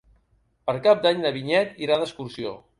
Per Cap d'Any na Vinyet irà d'excursió.